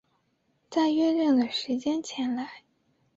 在约定的时间前来